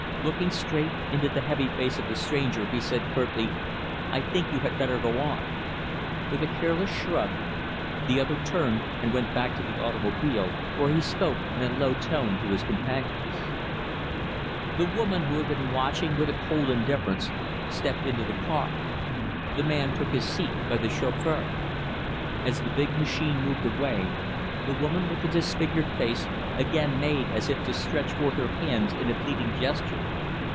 Looking straight into the heavy face of the stranger, he said curtly, "I think you had better go on." With a careless shrug, the other turned and went back to the automobile, where he spoke in a low tone to his companions. The woman, who had been watching with a cold indifference, stepped into the car. The man took his seat by the chauffeur. As the big machine moved away, the woman with the disfigured face, again made as if to stretch forth her hands in a pleading gesture.